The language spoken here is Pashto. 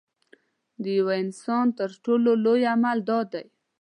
د یوه انسان تر ټولو لوی عمل دا دی.